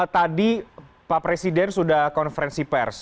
tadi pak presiden sudah konferensi pers